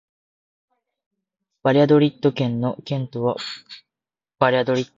バリャドリッド県の県都はバリャドリッドである